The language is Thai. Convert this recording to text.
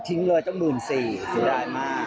ทิ้งเงินจน๑๔๐๐๐บาทสุดายมาก